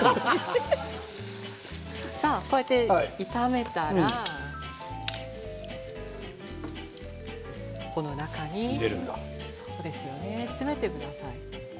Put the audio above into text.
こうやって炒めたらこの中に詰めてください。